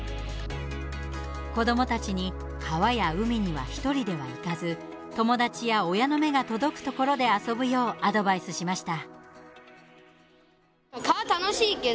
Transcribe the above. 子どもたちに川や海には１人では行かず友達や親の目が届くところで遊ぶようアドバイスしました。